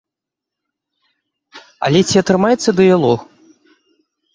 Але ці атрымаецца дыялог?